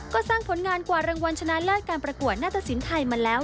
ก็สร้างผลงานกว่ารางวัลชนะเลิศการประกวดหน้าตะสินไทยมาแล้ว